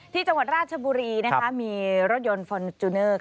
ที่จังหวัดราชบุรีมีรถยนต์ฟอร์จูเนอร์